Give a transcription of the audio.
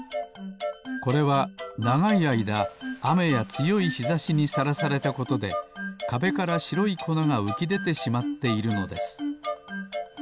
これはながいあいだあめやつよいひざしにさらされたことでかべからしろいこながうきでてしまっているのです。